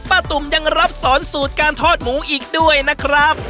ตุ่มยังรับสอนสูตรการทอดหมูอีกด้วยนะครับ